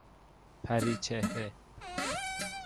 پری چهره